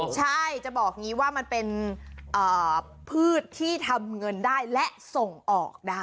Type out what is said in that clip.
ใช่จะบอกอย่างนี้ว่ามันเป็นพืชที่ทำเงินได้และส่งออกได้